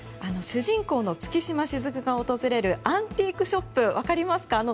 主人公の月島雫が訪れるアンティークショップ分かりますか？